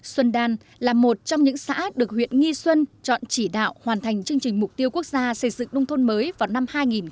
xuân đan là một trong những xã được huyện nghi xuân chọn chỉ đạo hoàn thành chương trình mục tiêu quốc gia xây dựng nông thôn mới vào năm hai nghìn hai mươi